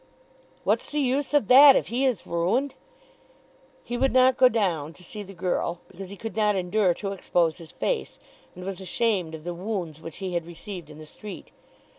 "What's the use of that, if he is ruined?" He would not go down to see the girl, because he could not endure to expose his face, and was ashamed of the wounds which he had received in the street.